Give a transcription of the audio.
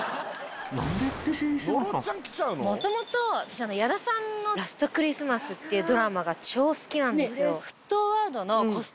元々矢田さんの『ラストクリスマス』っていうドラマが超好きなんですよ。